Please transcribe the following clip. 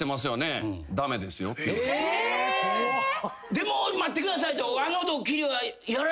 「でも待ってください」やめて！